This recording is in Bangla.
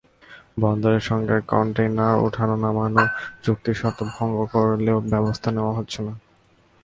বন্দরের সঙ্গে কনটেইনার ওঠানো-নামানোর চুক্তির শর্ত ভঙ্গ করলেও ব্যবস্থা নেওয়া হচ্ছে না।